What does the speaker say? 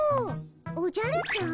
おじゃるちゃん？